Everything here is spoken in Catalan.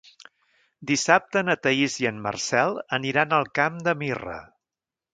Dissabte na Thaís i en Marcel aniran al Camp de Mirra.